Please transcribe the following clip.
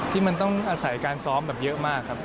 ที่มันต้องอาศัยการซ้อมแบบเยอะมากครับ